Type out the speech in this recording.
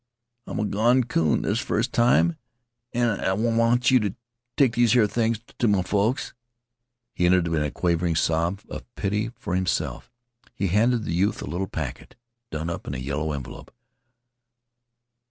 "I'm a gone coon this first time and and I w want you to take these here things to my folks." He ended in a quavering sob of pity for himself. He handed the youth a little packet done up in a yellow envelope.